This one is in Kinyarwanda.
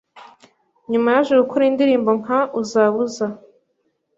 Nyuma yaje gukora indirimbo nka Uzaba Uza